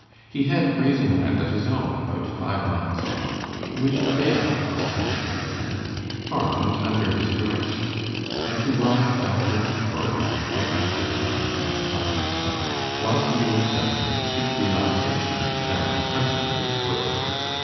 He had grazing land of his own about five miles off, which a bailiff, ostensibly a tenant, farmed under his direction; and to ride backwards and forwards, and look after the buying and selling of stock, was the old gentleman's chief relaxation, now his hunting days were over.